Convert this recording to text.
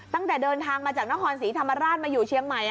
ตั้งแต่เดินทางมาจากนครศรีธรรมราชมาอยู่เชียงใหม่